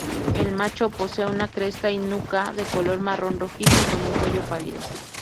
El macho posee una cresta y nuca de color marrón-rojizo, con un cuello pálido.